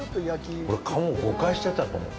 俺、鴨、誤解してたと思う。